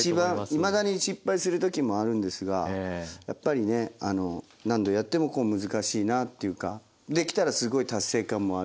いまだに失敗する時もあるんですがやっぱりね何度やっても難しいなっていうかできたらすごい達成感もあるし